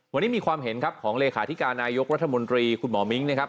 วันนี้มีความเห็นครับของเลขาธิการนายกรัฐมนตรีคุณหมอมิ้งนะครับ